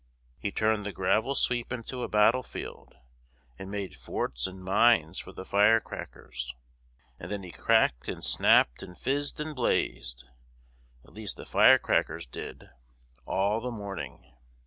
He turned the gravel sweep into a battle field, and made forts and mines for the firecrackers, and then he cracked and snapped and fizzed and blazed—at least the firecrackers did—all the morning.